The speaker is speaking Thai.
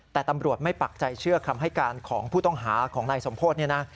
แต่ตำรวจไม่ปักใจเชื่อคำให้การของผู้ต้องหาของนายสมโพธิเนี่ยนะ